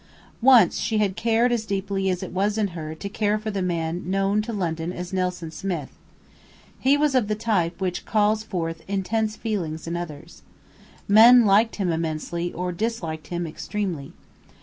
Once she had cared as deeply as it was in her to care for the man known to London as "Nelson Smith." He was of the type which calls forth intense feeling in others. Men liked him immensely or disliked him extremely.